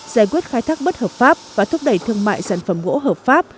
giải quyết khai thác bất hợp pháp và thúc đẩy thương mại sản phẩm gỗ hợp pháp